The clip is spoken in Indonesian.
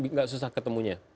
nggak susah ketemunya